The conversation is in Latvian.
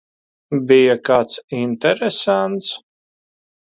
Bija kāds interesants?